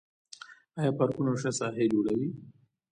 آیا پارکونه او شنه ساحې جوړوي؟